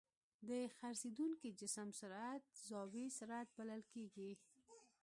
د څرخېدونکي جسم سرعت زاويي سرعت بلل کېږي.